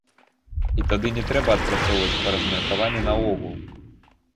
І тады не трэба адпрацоўваць па размеркаванні наогул!